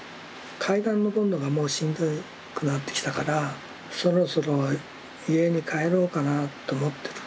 階段上るのがもうしんどくなってきたからそろそろ家に帰ろうかなと思ってる。